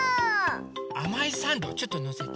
あまいサンドちょっとのせて。